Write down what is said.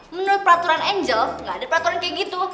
menurut peraturan angel gak ada peraturan kayak gitu